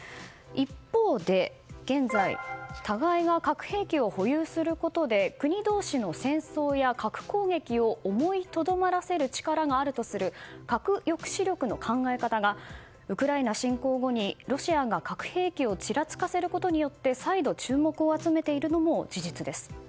一方で現在互いが核兵器を保有することで国同士の戦争や核攻撃を思いとどまらせる力があるとする核抑止力の考え方がウクライナ侵攻後にロシアが核兵器をちらつかせることによって再度注目を集めているのも事実です。